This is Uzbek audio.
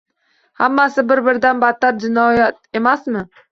Hammasi biri-biridan battar jinoyat emasmi